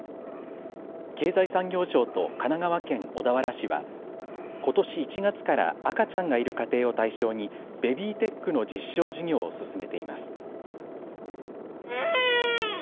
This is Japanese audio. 経済産業省と神奈川県小田原市はことし１月から赤ちゃんがいる家庭を対象にベビーテックの実証事業を進めています。